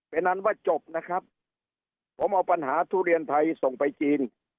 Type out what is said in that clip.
เป็นอันว่าจบนะครับผมเอาปัญหาทุเรียนไทยส่งไปจีน